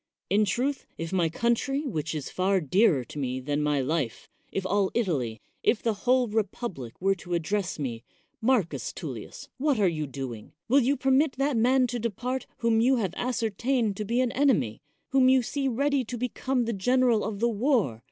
In truth, if my country, which is far dearer to me than my life — if all Italy — if the whole republic were to address me, Marcus Tullius, what are you doing? will you permit that man to depart whom you have ascertained to be an enemy? whom you see ready to become the general of the war?